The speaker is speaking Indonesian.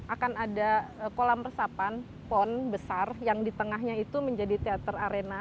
akan ada kolam resapan pon besar yang di tengahnya itu menjadi teater arena